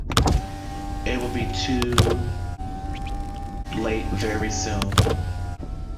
It will be too late very soon.